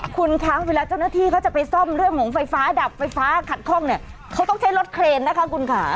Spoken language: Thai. คุณคะเวลาเจ้าหน้าที่เขาจะไปซ่อมเรื่องของไฟฟ้าดับไฟฟ้าขัดข้องเนี่ยเขาต้องใช้รถเครนนะคะคุณค่ะ